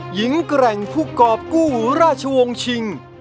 แกร่งผู้กรอบกู้ราชวงศ์ชิง